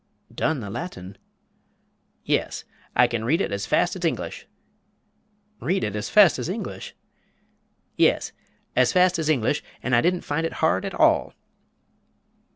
"Done the Latin!" "Yes, I can read it as fast as English." "Read it as fast as English!!" "Yes, as fast as English and I didn't find it hard at all."